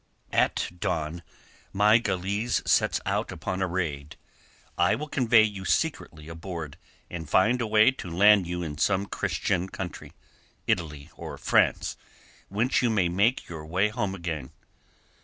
At dawn my galeasse sets out upon a raid. I will convey you secretly aboard and find a way to land you in some Christian country—Italy or France—whence you may make your way home again."